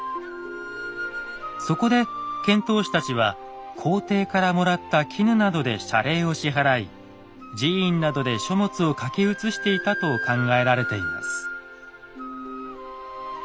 そこで遣唐使たちは皇帝からもらった絹などで謝礼を支払い寺院などで書物を書き写していたと考えられています。